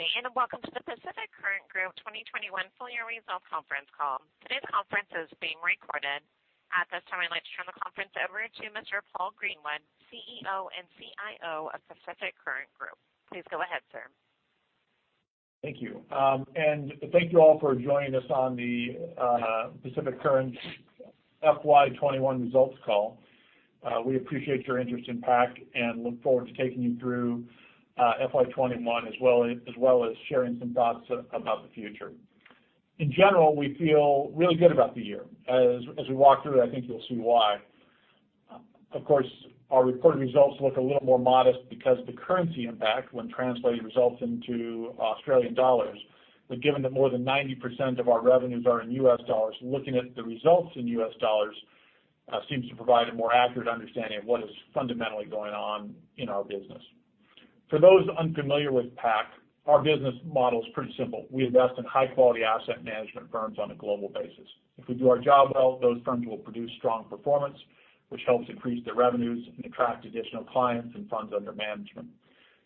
Good day, Welcome to the Pacific Current Group 2021 full-year results conference call. Today's conference is being recorded. At this time, I'd like to turn the conference over to Mr. Paul Greenwood, CEO and CIO of Pacific Current Group. Please go ahead, sir. Thank you. Thank you all for joining us on the Pacific Current FY 2021 results call. We appreciate your interest in PAC and look forward to taking you through FY 2021, as well as sharing some thoughts about the future. In general, we feel really good about the year. As we walk through it, I think you'll see why. Of course, our reported results look a little more modest because of the currency impact when translating results into Australian dollars. Given that more than 90% of our revenues are in US dollars, looking at the results in US dollars seems to provide a more accurate understanding of what is fundamentally going on in our business. For those unfamiliar with PAC, our business model is pretty simple. We invest in high-quality asset management firms on a global basis. If we do our job well, those firms will produce strong performance, which helps increase their revenues and attract additional clients and funds under management.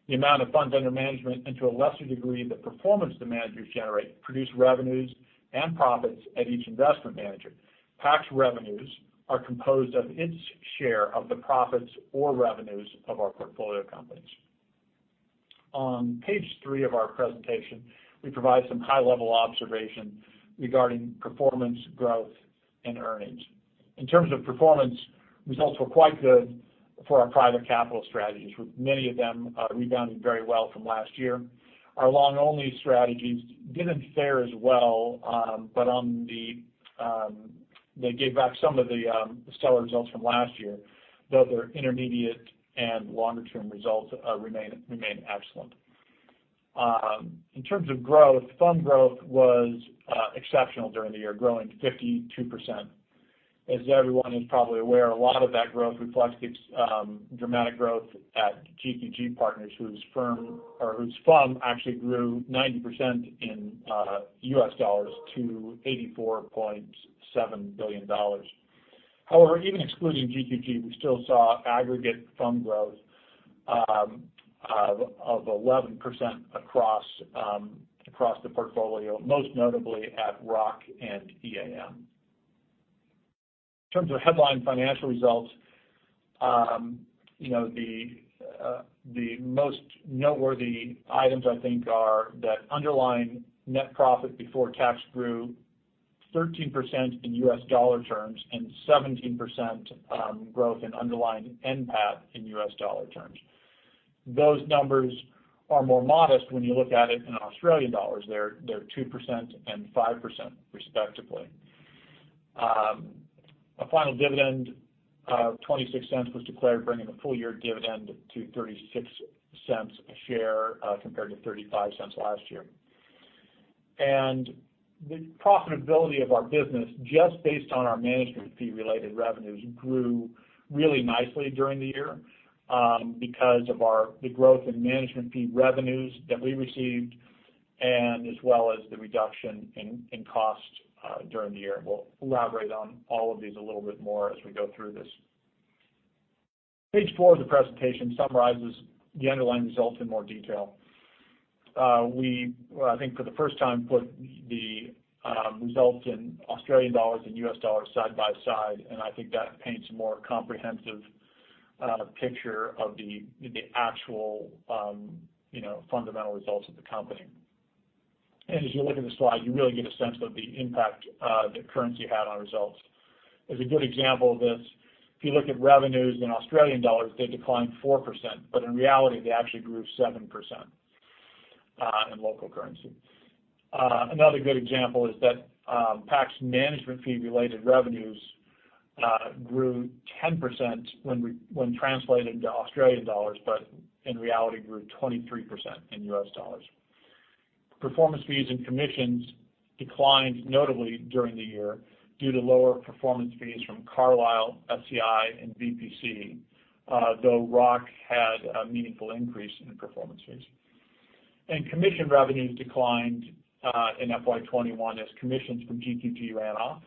The amount of funds under management, and to a lesser degree, the performance the managers generate, produce revenues and profits at each investment manager. PAC's revenues are composed of its share of the profits or revenues of our portfolio companies. On page three of our presentation, we provide some high-level observation regarding performance, growth, and earnings. In terms of performance, results were quite good for our private capital strategies, with many of them rebounding very well from last year. Our long-only strategies didn't fare as well. They gave back some of the stellar results from last year, though their intermediate and longer-term results remain excellent. In terms of growth, fund growth was exceptional during the year, growing 52%. As everyone is probably aware, a lot of that growth reflects dramatic growth at GQG Partners, whose firm actually grew 90% in US dollars to $84.7 billion. Even excluding GQG, we still saw aggregate fund growth of 11% across the portfolio, most notably at ROC and EAM. In terms of headline financial results, the most noteworthy items I think are that underlying net profit before tax grew 13% in US dollar terms and 17% growth in underlying NPAT in US dollar terms. Those numbers are more modest when you look at it in Australian dollars. They're 2% and 5%, respectively. A final dividend of 0.26 was declared, bringing the full-year dividend to 0.36 a share, compared to 0.35 last year. The profitability of our business, just based on our management fee-related revenues, grew really nicely during the year because of the growth in management fee revenues that we received and as well as the reduction in cost during the year. We'll elaborate on all of these a little bit more as we go through this. Page four of the presentation summarizes the underlying results in more detail. We, I think for the first time, put the results in Australian dollars and US dollars side by side, and I think that paints a more comprehensive picture of the actual fundamental results of the company. As you look at the slide, you really get a sense of the impact that currency had on results. As a good example of this, if you look at revenues in AUD, they declined 4%, but in reality, they actually grew 7% in local currency. Another good example is that PAC's management fee-related revenues grew 10% when translated into AUD, but in reality grew 23% in USD. Performance fees and commissions declined notably during the year due to lower performance fees from Carlisle, SEI, and VPC, though ROC Partners had a meaningful increase in performance fees. Commission revenues declined in FY 2021 as commissions from GQG ran off.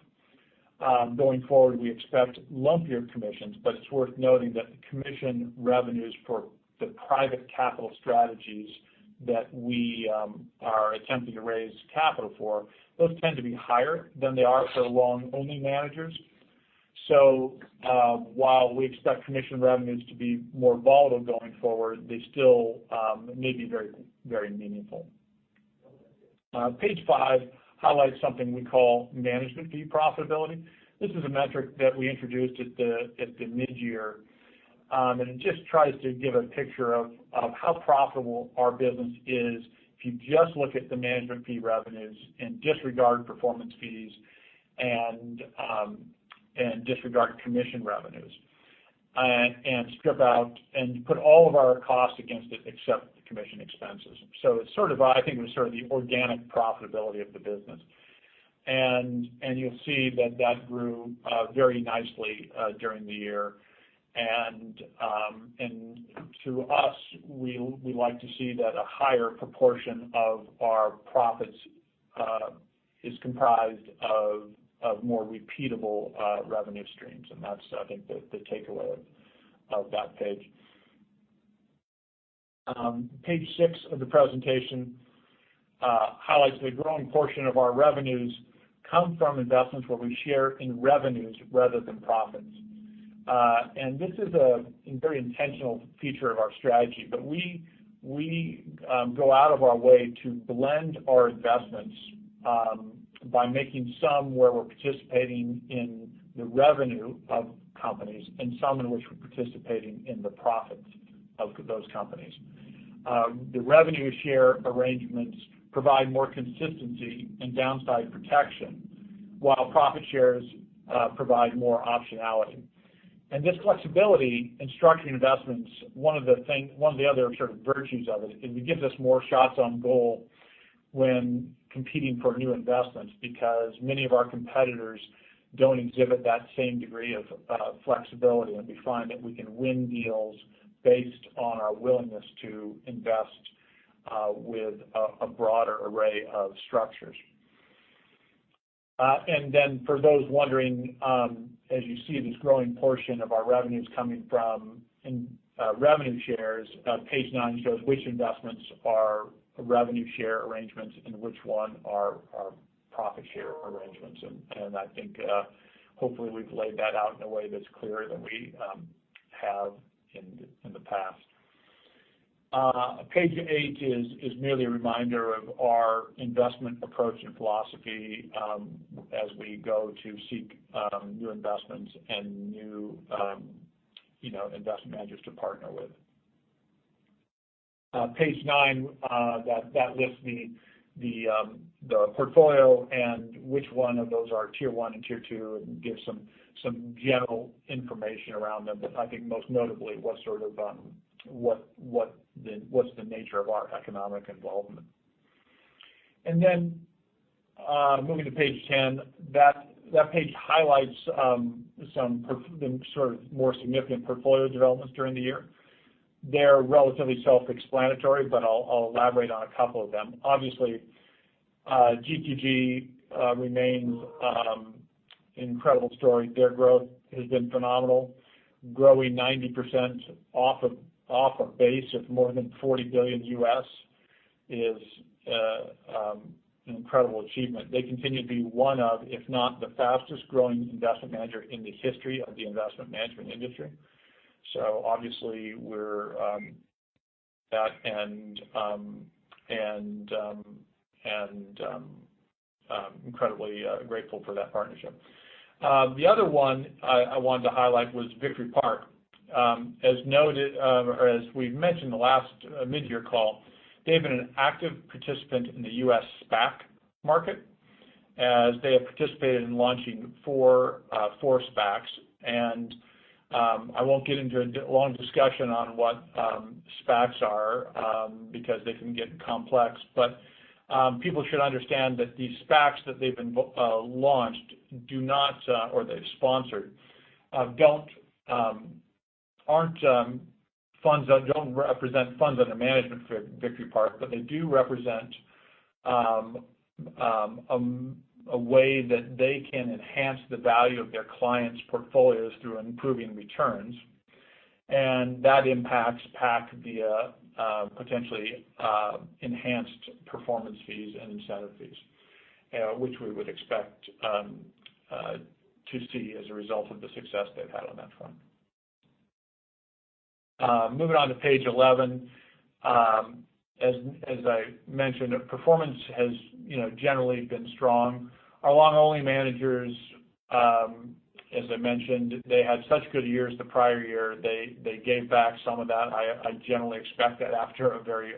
Going forward, we expect lumpier commissions, but it's worth noting that the commission revenues for the private capital strategies that we are attempting to raise capital for, those tend to be higher than they are for long-only managers. While we expect commission revenues to be more volatile going forward, they still may be very meaningful. Page five highlights something we call management fee profitability. It just tries to give a picture of how profitable our business is if you just look at the management fee revenues and disregard performance fees and disregard commission revenues, and put all of our costs against it except the commission expenses. I think it was sort of the organic profitability of the business. You'll see that that grew very nicely during the year. To us, we like to see that a higher proportion of our profits is comprised of more repeatable revenue streams. That's, I think, the takeaway of that page. Page six of the presentation highlights the growing portion of our revenues come from investments where we share in revenues rather than profits. This is a very intentional feature of our strategy, but we go out of our way to blend our investments by making some where we're participating in the revenue of companies, and some in which we're participating in the profits of those companies. The revenue share arrangements provide more consistency and downside protection, while profit shares provide more optionality. This flexibility in structuring investments, one of the other sort of virtues of it gives us more shots on goal when competing for new investments, because many of our competitors don't exhibit that same degree of flexibility. We find that we can win deals based on our willingness to invest with a broader array of structures. For those wondering, as you see this growing portion of our revenues coming from revenue shares, page nine shows which investments are revenue share arrangements and which ones are profit share arrangements. I think, hopefully we've laid that out in a way that's clearer than we have in the past. Page eight is merely a reminder of our investment approach and philosophy as we go to seek new investments and new investment managers to partner with. Page nine, that lists the portfolio and which ones of those are Tier 1 and Tier 2, and gives some general information around them. I think most notably, what's the nature of our economic involvement. Moving to page 10. That page highlights some sort of more significant portfolio developments during the year. They're relatively self-explanatory, but I'll elaborate on a couple of them. Obviously, GQG remains incredible story. Their growth has been phenomenal. Growing 90% off a base of more than $40 billion is an incredible achievement. They continue to be one of, if not the fastest growing investment manager in the history of the investment management industry. Obviously we're incredibly grateful for that partnership. The other one I wanted to highlight was Victory Park. As we've mentioned the last mid-year call, they've been an active participant in the U.S. SPAC market, as they have participated in launching four SPACs. I won't get into a long discussion on what SPACs are, because they can get complex. People should understand that these SPACs that they've launched, or they've sponsored, don't represent funds under management for Victory Park. They do represent a way that they can enhance the value of their clients' portfolios through improving returns. That impacts PAC via potentially enhanced performance fees and incentive fees. Which we would expect to see as a result of the success they've had on that front. Moving on to page 11. As I mentioned, performance has generally been strong. Our long-only managers, as I mentioned, they had such good years the prior year, they gave back some of that. I generally expect that after a very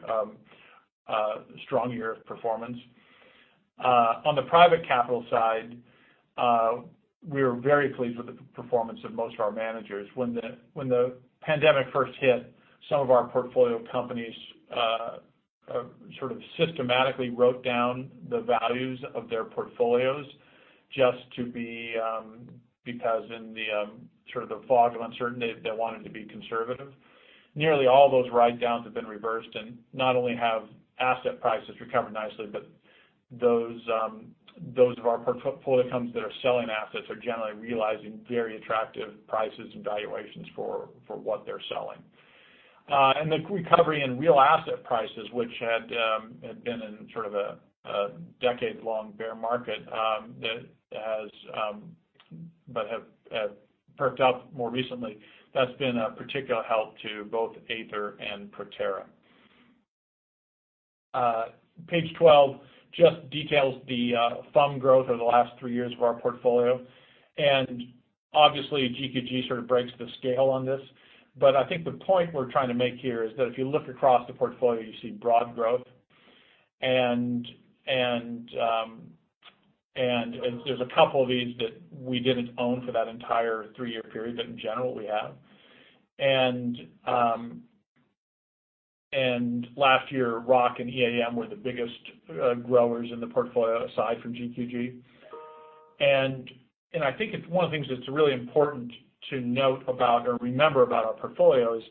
strong year of performance. On the private capital side, we were very pleased with the performance of most of our managers. When the pandemic first hit, some of our portfolio companies sort of systematically wrote down the values of their portfolios just to be, because in the fog of uncertainty, they wanted to be conservative. Nearly all those write-downs have been reversed, and not only have asset prices recovered nicely, but those of our portfolio companies that are selling assets are generally realizing very attractive prices and valuations for what they're selling. The recovery in real asset prices, which had been in sort of a decade-long bear market, but have perked up more recently. That's been a particular help to both Aether and Proterra. Page 12 just details the FUM growth over the last three years of our portfolio. Obviously, GQG sort of breaks the scale on this. I think the point we're trying to make here is that if you look across the portfolio, you see broad growth. There's a couple of these that we didn't own for that entire three-year period, but in general, we have. Last year, ROC Partners and EAM were the biggest growers in the portfolio aside from GQG. I think it's one of the things that's really important to note about or remember about our portfolio is.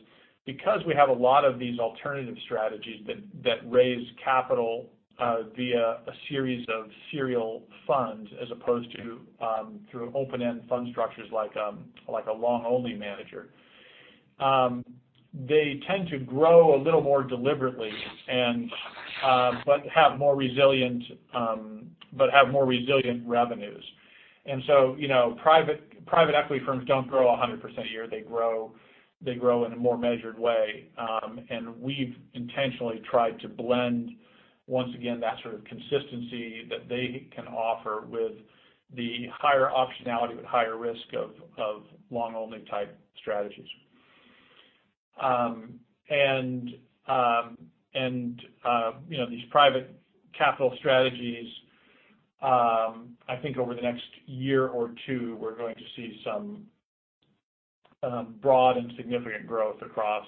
Because we have a lot of these alternative strategies that raise capital via a series of serial funds as opposed to through open-end fund structures like a long-only manager. They tend to grow a little more deliberately but have more resilient revenues. Private equity firms don't grow 100% a year. They grow in a more measured way. We've intentionally tried to blend, once again, that sort of consistency that they can offer with the higher optionality, but higher risk of long-only type strategies. These private capital strategies, I think over the next year or two, we're going to see some broad and significant growth across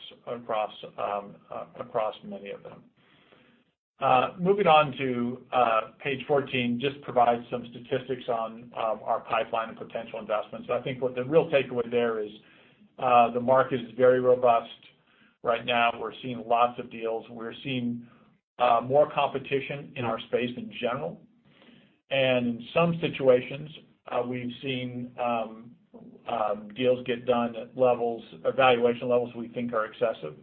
many of them. Moving on to page 14, just provides some statistics on our pipeline and potential investments. I think what the real takeaway there is, the market is very robust right now. We're seeing lots of deals. We're seeing more competition in our space in general. In some situations, we've seen deals get done at valuation levels we think are excessive.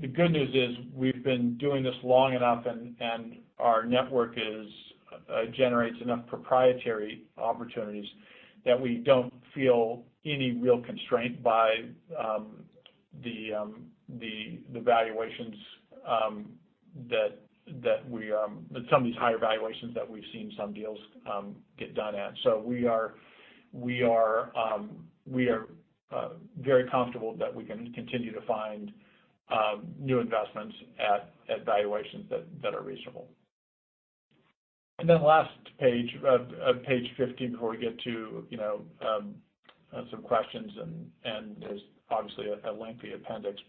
The good news is we've been doing this long enough, and our network generates enough proprietary opportunities that we don't feel any real constraint by some of these higher valuations that we've seen some deals get done at. We are very comfortable that we can continue to find new investments at valuations that are reasonable. Last page 15, before we get to some questions, and there's obviously a lengthy appendix.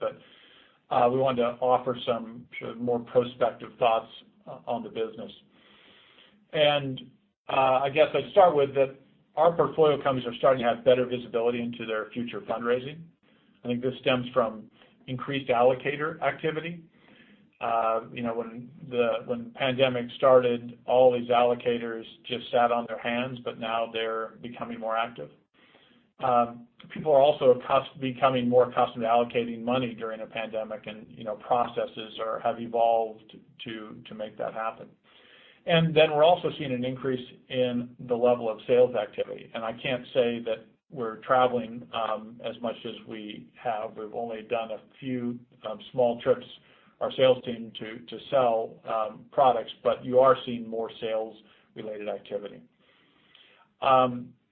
We wanted to offer some more prospective thoughts on the business. I guess I'd start with that our portfolio companies are starting to have better visibility into their future fundraising. I think this stems from increased allocator activity. When the pandemic started, all these allocators just sat on their hands, but now they're becoming more active. People are also becoming more accustomed to allocating money during a pandemic, and processes have evolved to make that happen. Then we're also seeing an increase in the level of sales activity. I can't say that we're traveling as much as we have. We've only done a few small trips, our sales team, to sell products, but you are seeing more sales-related activity.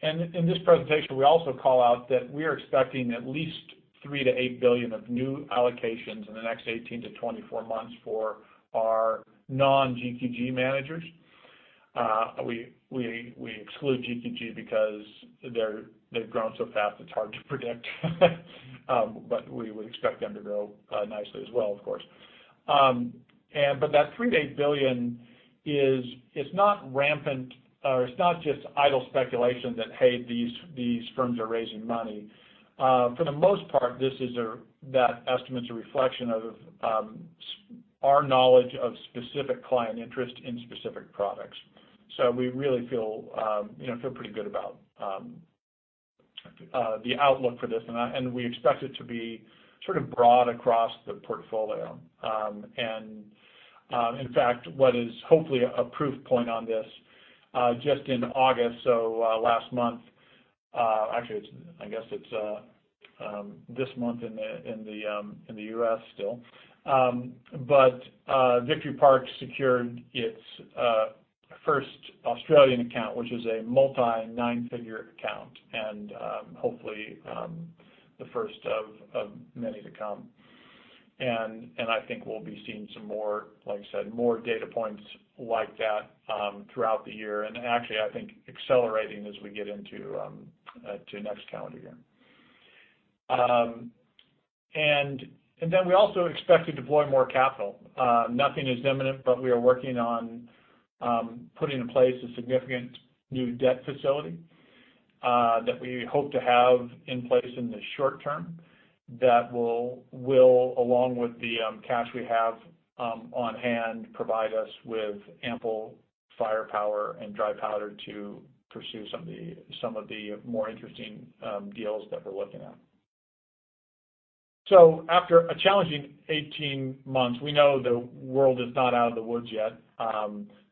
In this presentation, we also call out that we are expecting at least 3 billion-8 billion of new allocations in the next 18-24 months for our non-GQG managers. We exclude GQG because they've grown so fast it's hard to predict. We would expect them to grow nicely as well, of course. That $3 billion-$8 billion is not rampant, or it's not just idle speculation that, hey, these firms are raising money. For the most part, that estimate's a reflection of our knowledge of specific client interest in specific products. We really feel pretty good about the outlook for this, and we expect it to be sort of broad across the portfolio. In fact, what is hopefully a proof point on this, just in August, so last month. Actually, I guess it's this month in the U.S. still. Victory Park secured its first Australian account, which is a multi nine-figure account, and hopefully the first of many to come. I think we'll be seeing some more, like I said, more data points like that throughout the year. Actually, I think accelerating as we get into next calendar year. Then we also expect to deploy more capital. Nothing is imminent, but we are working on putting in place a significant new debt facility that we hope to have in place in the short term that will, along with the cash we have on hand, provide us with ample firepower and dry powder to pursue some of the more interesting deals that we're looking at. After a challenging 18 months, we know the world is not out of the woods yet.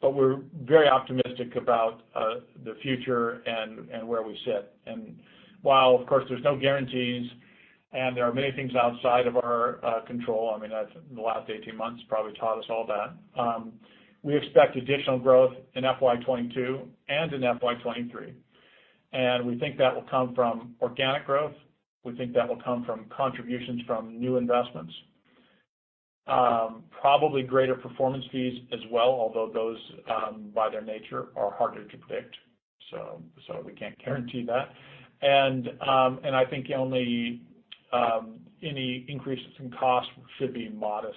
We're very optimistic about the future and where we sit. While, of course, there's no guarantees, and there are many things outside of our control, I mean, the last 18 months probably taught us all that. We expect additional growth in FY 2022 and in FY 2023, we think that will come from organic growth. We think that will come from contributions from new investments. Probably greater performance fees as well, although those by their nature are harder to predict. We can't guarantee that. I think any increases in cost should be modest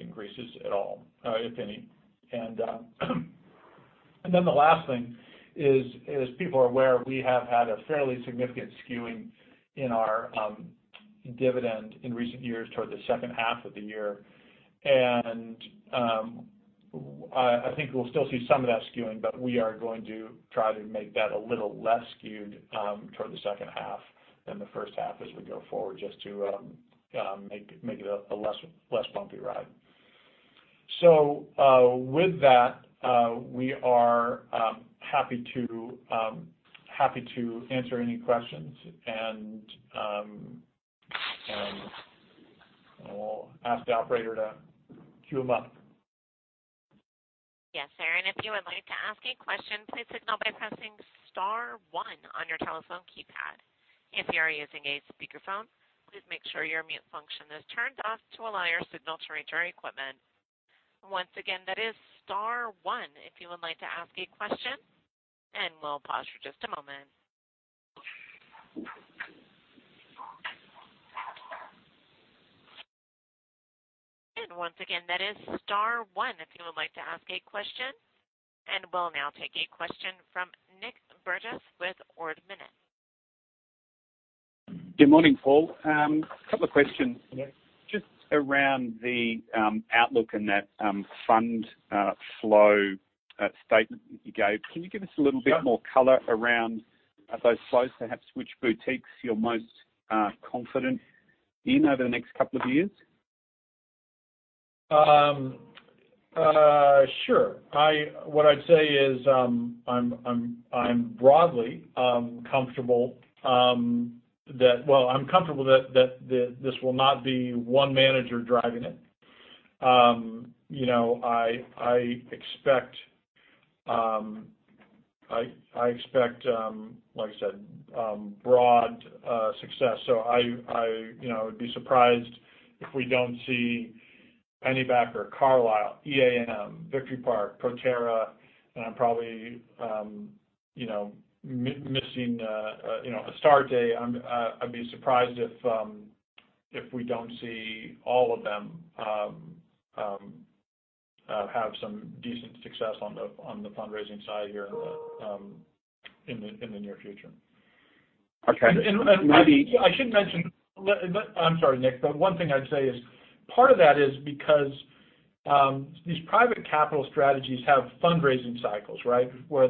increases at all, if any. Then the last thing is, as people are aware, we have had a fairly significant skewing in our dividend in recent years toward the second half of the year. I think we'll still see some of that skewing, but we are going to try to make that a little less skewed toward the second half than the first half as we go forward, just to make it a less bumpy ride. With that, we are happy to answer any questions, and I'll ask the operator to queue them up. Yes, sir. If you would like to ask a question, please signal by pressing star one on your telephone keypad. If you are using a speakerphone, please make sure your mute function is turned off to allow your signal to reach our equipment. Once again, that is star one if you would like to ask a question, and we'll pause for just a moment. Once again, that is star one if you would like to ask a question. We'll now take a question from Nic Burgess with Ord Minnett. Good morning, Paul. A couple of questions. Yes. Just around the outlook and that fund flow statement that you gave. Can you give us a little bit- Sure. More color around those flows, perhaps which boutiques you're most confident in over the next couple of years? Sure. What I'd say is, I'm broadly comfortable that well, I'm comfortable that this will not be one manager driving it. I expect, like I said, broad success. I would be surprised if we don't see Pennybacker, Carlisle, EAM, Victory Park, Proterra, and I'm probably missing Astarte. I'd be surprised if we don't see all of them have some decent success on the fundraising side here in the near future. Okay. I should mention I'm sorry, Nic. One thing I'd say is, part of that is because these private capital strategies have fundraising cycles, where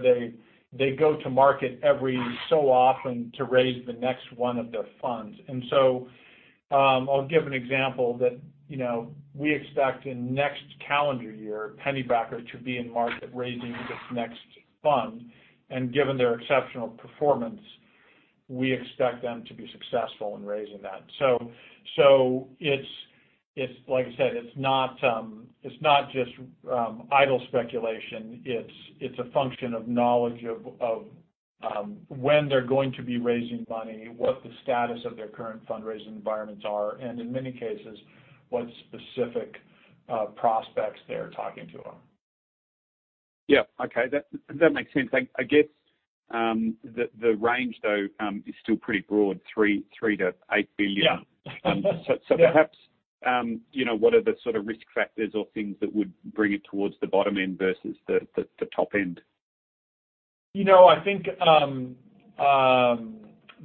they go to market every so often to raise the next one of their funds. I'll give an example that we expect in next calendar year, Pennybacker Capital to be in market raising this next fund. Given their exceptional performance, we expect them to be successful in raising that. Like I said, it's not just idle speculation. It's a function of knowledge of when they're going to be raising money, what the status of their current fundraising environments are, and in many cases, what specific prospects they're talking to them. That makes sense. I guess, the range though, is still pretty broad, $3 billion-$8 billion. Yeah. Perhaps, what are the sort of risk factors or things that would bring it towards the bottom end versus the top end?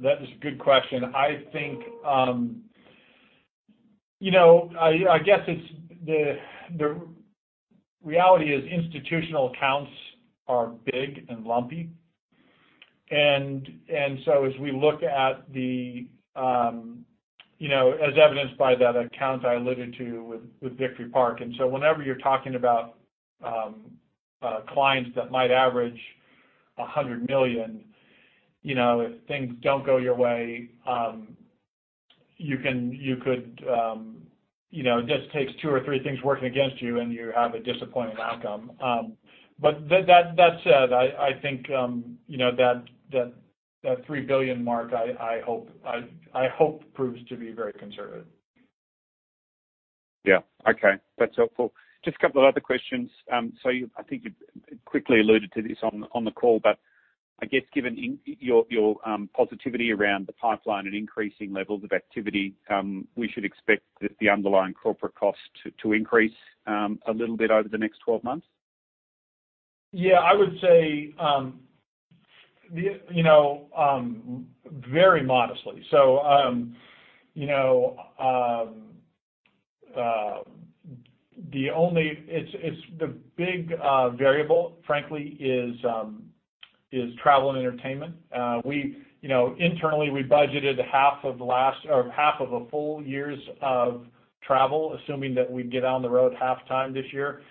That is a good question. I guess the reality is institutional accounts are big and lumpy. As evidenced by that account I alluded to with Victory Park. Whenever you're talking about clients that might average 100 million, if things don't go your way, it just takes two or three things working against you, and you have a disappointing outcome. That said, I think, that 3 billion mark, I hope proves to be very conservative. Yeah. Okay. That's helpful. Just a couple of other questions. I think you quickly alluded to this on the call, I guess, given your positivity around the pipeline and increasing levels of activity, we should expect that the underlying corporate cost to increase a little bit over the next 12 months? I would say, very modestly. The big variable, frankly, is travel and entertainment. Internally, we budgeted half of a full year's of travel, assuming that we'd get on the road half time this year.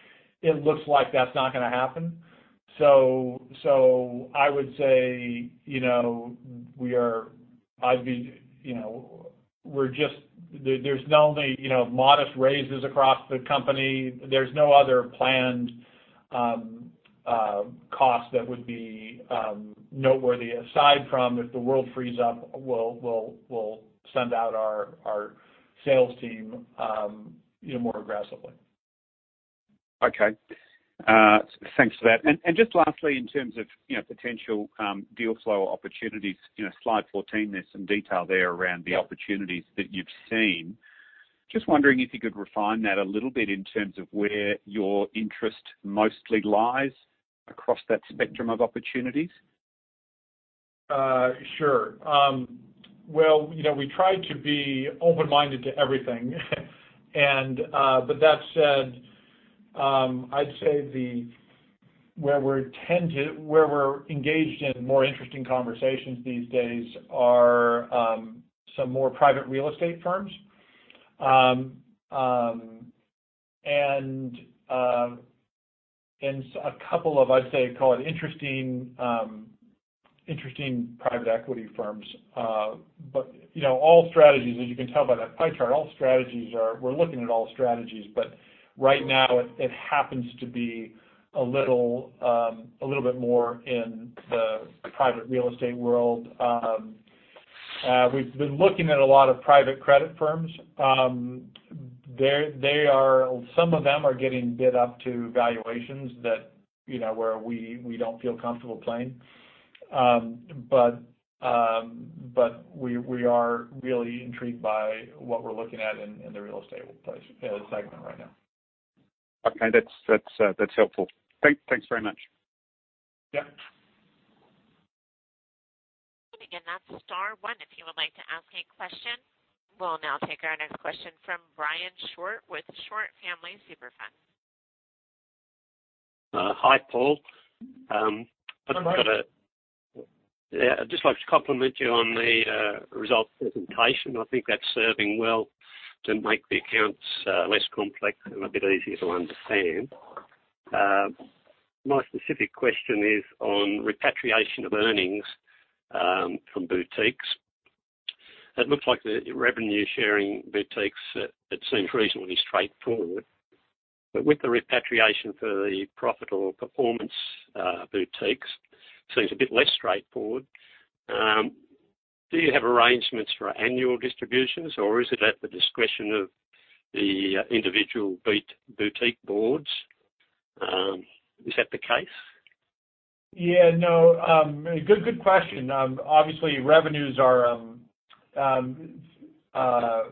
It looks like that's not going to happen. I would say there's only modest raises across the company. There's no other planned cost that would be noteworthy, aside from if the world frees up, we'll send out our sales team more aggressively. Okay. Thanks for that. Just lastly, in terms of potential deal flow opportunities. Slide 14, there's some detail there around the opportunities that you've seen. Just wondering if you could refine that a little bit in terms of where your interest mostly lies across that spectrum of opportunities. Sure. Well, we try to be open-minded to everything. That said, I'd say where we're engaged in more interesting conversations these days are some more private real estate firms., I'd say, call it interesting private equity firms. All strategies, as you can tell by that pie chart, we're looking at all strategies, but right now it happens to be a little bit more in the private real estate world. We've been looking at a lot of private credit firms. Some of them are getting bid up to valuations where we don't feel comfortable playing. We are really intrigued by what we're looking at in the real estate segment right now. Okay. That's helpful. Thanks very much. Yeah. Again, that's star one if you would like to ask a question. We'll now take our next question from Brian Short with Short Family Superfund. Hi, Paul. Hi, Brian. I'd just like to compliment you on the results presentation. I think that's serving well to make the accounts less complex and a bit easier to understand. My specific question is on repatriation of earnings from boutiques. It looks like the revenue-sharing boutiques, it seems reasonably straightforward. With the repatriation for the profit or performance boutiques, seems a bit less straightforward. Do you have arrangements for annual distributions, or is it at the discretion of the individual boutique boards? Is that the case? Good question. Obviously, revenues are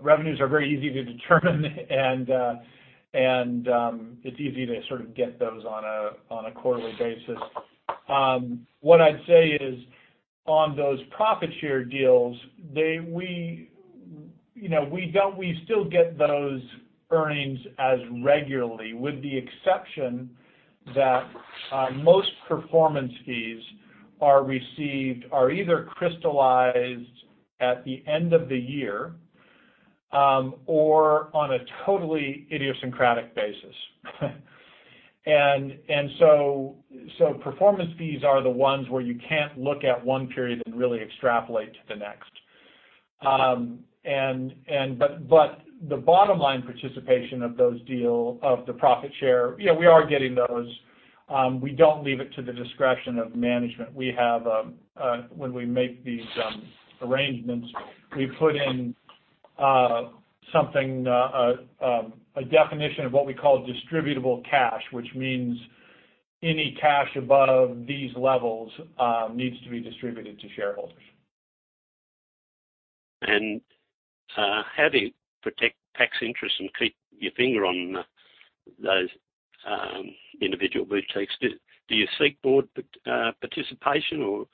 very easy to determine and it's easy to sort of get those on a quarterly basis. What I'd say is, on those profit share deals, we still get those earnings as regularly, with the exception that most performance fees are either crystallized at the end of the year or on a totally idiosyncratic basis. Performance fees are the ones where you can't look at one period and really extrapolate to the next. The bottom line participation of the profit share, we are getting those. We don't leave it to the discretion of management. When we make these arrangements, we put in a definition of what we call distributable cash, which means any cash above these levels needs to be distributed to shareholders. How do you protect PAC's interests and keep your finger on those individual boutiques? Do you seek board participation, or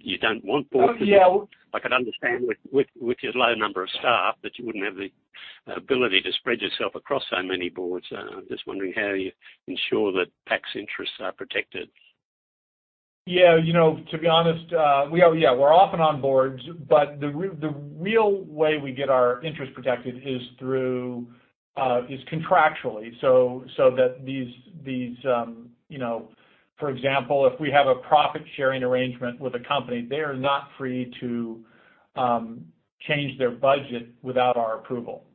you don't want board participation? Yeah, I would- I could understand with your low number of staff that you wouldn't have the ability to spread yourself across so many boards. I'm just wondering how you ensure that PAC's interests are protected. Yeah. To be honest, we're often on boards, but the real way we get our interest protected is contractually. For example, if we have a profit-sharing arrangement with a company, they are not free to change their budget without our approval.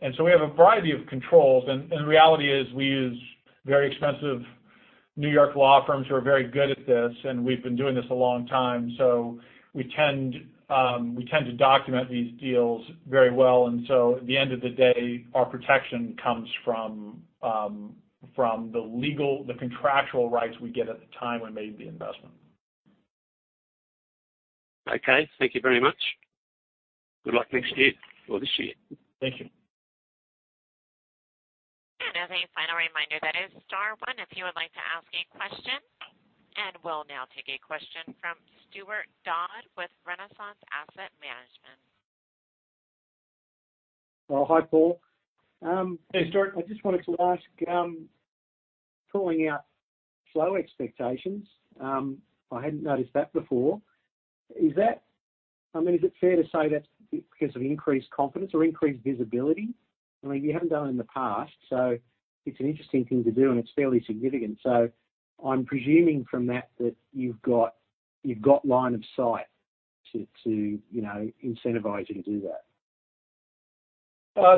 We have a variety of controls. The reality is we use very expensive New York law firms who are very good at this, and we've been doing this a long time, so we tend to document these deals very well. At the end of the day, our protection comes from the contractual rights we get at the time we made the investment. Okay. Thank you very much. Good luck next year or this year. Thank you. As a final reminder, that is star one if you would like to ask a question. We'll now take a question from Stuart Dodd with Renaissance Asset Management. Oh, hi, Paul. Hey, Stuart. I just wanted to ask, calling out flow expectations. I hadn't noticed that before. Is it fair to say that's because of increased confidence or increased visibility? You haven't done it in the past, so it's an interesting thing to do, and it's fairly significant. I'm presuming from that you've got line of sight to incentivize you to do that. That's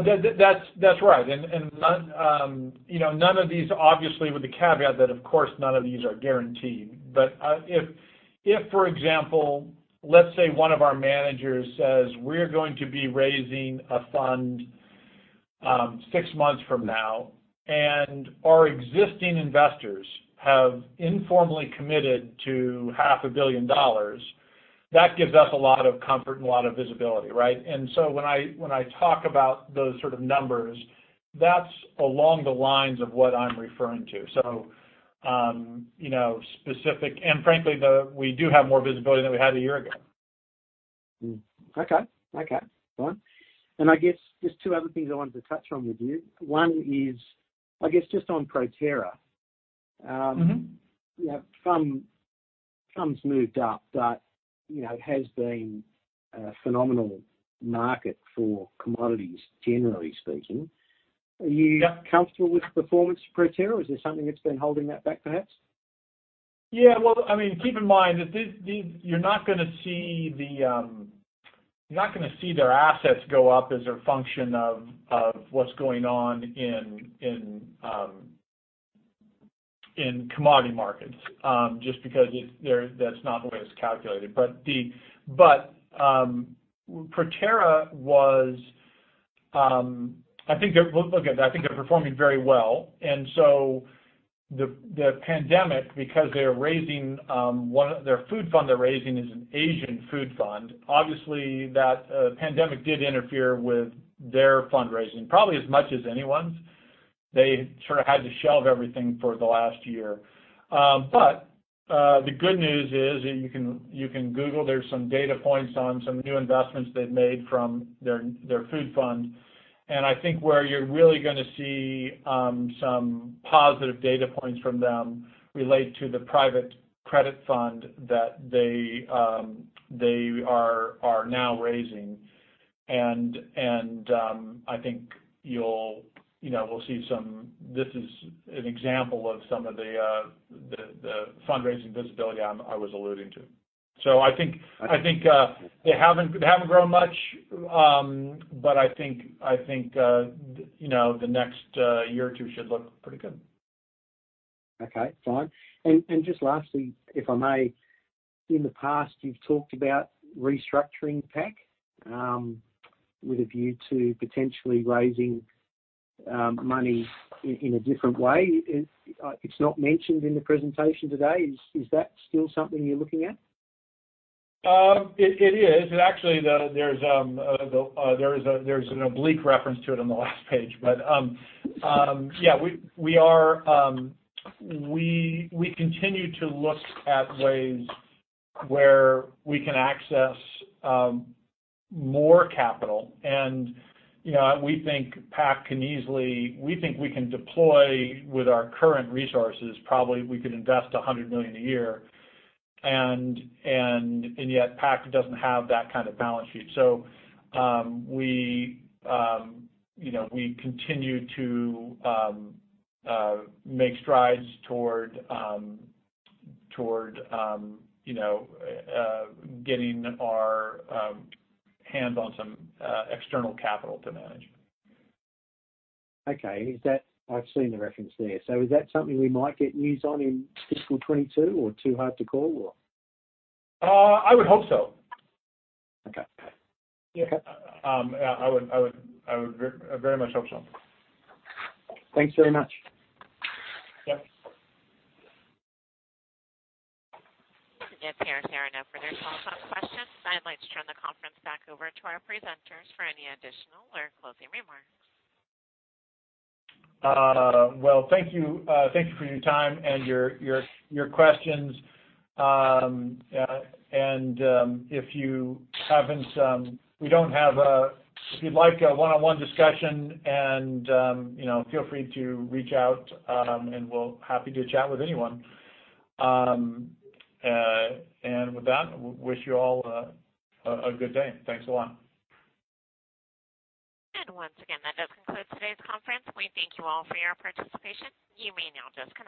right. Obviously, with the caveat that of course none of these are guaranteed. If, for example, let's say one of our managers says, "We're going to be raising a fund six months from now," and our existing investors have informally committed to half a billion dollars. That gives us a lot of comfort and a lot of visibility, right? When I talk about those sort of numbers, that's along the lines of what I'm referring to. Frankly, we do have more visibility than we had one year ago. Okay. Fine. I guess there's two other things I wanted to touch on with you. One is, I guess, just on Proterra. From sums moved up, but it has been a phenomenal market for commodities, generally speaking. Yeah. Are you comfortable with the performance of Proterra, or is there something that's been holding that back, perhaps? Yeah. Keep in mind, you're not going to see their assets go up as a function of what's going on in commodity markets, just because that's not the way it's calculated. Proterra, looking at that, I think they're performing very well. The pandemic, because their food fund they're raising is an Asian food fund, obviously that pandemic did interfere with their fundraising, probably as much as anyone's. They sort of had to shelve everything for the last year. The good news is that you can Google, there's some data points on some new investments they've made from their food fund. I think where you're really going to see some positive data points from them relate to the private credit fund that they are now raising. I think we'll see this is an example of some of the fundraising visibility I was alluding to. I see. I think they haven't grown much, but I think the next year or two should look pretty good. Okay, fine. Just lastly, if I may, in the past, you've talked about restructuring PAC, with a view to potentially raising money in a different way. It's not mentioned in the presentation today. Is that still something you're looking at? It is. Actually, there's an oblique reference to it on the last page. Yeah, we continue to look at ways where we can access more capital. We think we can deploy with our current resources, probably we could invest 100 million a year. Yet PAC doesn't have that kind of balance sheet. We continue to make strides toward getting our hands on some external capital to manage. Okay. I've seen the reference there. Is that something we might get news on in FY 2022 or too hard to call, or? I would hope so. Okay. Yeah. I would very much hope so. Thanks very much. Yep. It appears there are no further telephone questions. I'd like to turn the conference back over to our presenters for any additional or closing remarks. Well, thank you for your time and your questions. If you'd like a one-on-one discussion, feel free to reach out, and we'll happy to chat with anyone. With that, wish you all a good day. Thanks a lot. Once again, that does conclude today's conference. We thank you all for your participation. You may now disconnect.